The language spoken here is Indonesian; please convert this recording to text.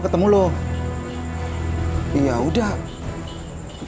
gue mau lihat lagi